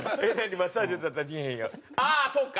ああそうか！